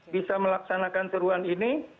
bisa melaksanakan seruan ini